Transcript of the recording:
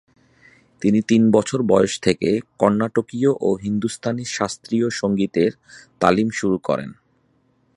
তিনি তিন বছর বয়স থেকে কর্ণাটকীয় ও হিন্দুস্তানি শাস্ত্রীয় সংগীতের তালিম শুরু করেন।